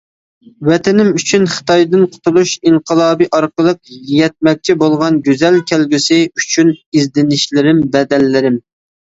ۋەتىنىم ئۈچۈن خىتايدىن قۇتۇلۇش ئىنقىلابى ئارقىلىق يەتمەكچى بولغان گۈزەل كەلگۈسى ئۈچۈن ئىزدىنىشلىرىم، بەدەللىرىم.